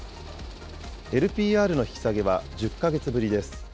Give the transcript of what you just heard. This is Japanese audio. ＬＰＲの引き下げは１０か月ぶりです。